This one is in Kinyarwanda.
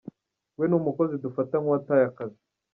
We ni umukozi dufata nk’uwataye akazi.